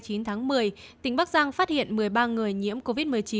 từ hai mươi chín tháng một mươi tỉnh bắc giang phát hiện một mươi ba người nhiễm covid một mươi chín